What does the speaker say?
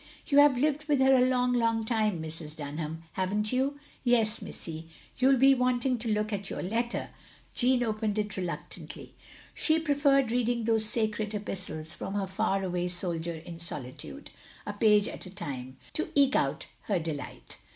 "You have lived with her a long, long time, Mrs. Dunham, have n't you? " "Yes, missy. You 11 be wanting to look at your letter." Jeanne opened it reluctantly. She preferred reading those sacred epistles from her far away soldier in solitude. A page at a time, to eke out her delight.